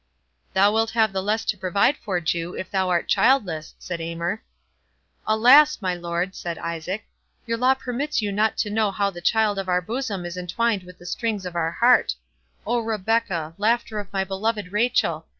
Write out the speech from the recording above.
"Thou wilt have the less to provide for, Jew, if thou art childless," said Aymer. "Alas! my lord," said Isaac, "your law permits you not to know how the child of our bosom is entwined with the strings of our heart—O Rebecca! laughter of my beloved Rachel!